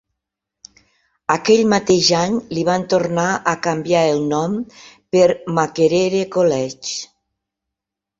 Aquell mateix any li van tornar a canviar el nom per Makerere College.